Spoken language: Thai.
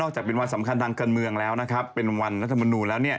จากเป็นวันสำคัญทางการเมืองแล้วนะครับเป็นวันรัฐมนูลแล้ว